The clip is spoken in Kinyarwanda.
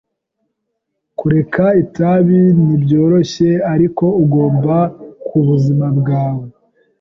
Kureka itabi ntibyoroshye, ariko ugomba kubuzima bwawe.